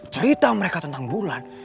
cerita mereka tentang bulan